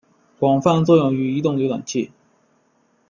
广泛作用于移动浏览器。